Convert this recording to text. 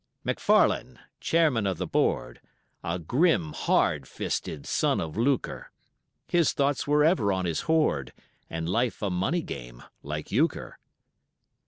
McFarlane, Chairman of the Board, A grim hard fisted son of lucre, His thoughts were ever on his hoard, And life a money game, like Euchre.